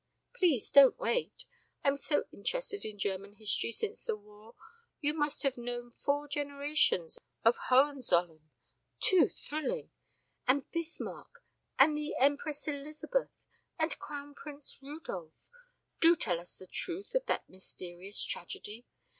"Please don't wait. I'm so interested in German history since the war. You must have known four generations of Hohenzollerns ... too thrilling! And Bismarck. And the Empress Elizabeth. And Crown Prince Rudolf do tell us the truth of that mysterious tragedy.